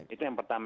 itu yang pertama